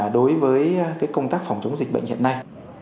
đối với công tác phòng chống dịch bệnh hiện nay